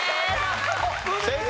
正解。